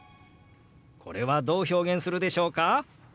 これはどう表現するでしょうか？